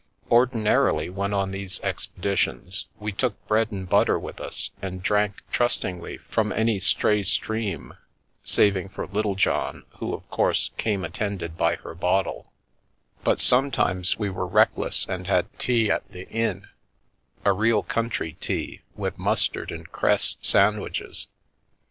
Ordinarily, when on these expeditions, we took bread and butter with us and drank trustingly from any stray stream (saving for Littlejohn who, of course, came attended by her bottle), but sometimes we were reckless and had tea at the inn, a real country tea, with mustard and cress sandwiches.